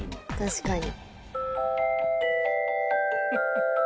確かに。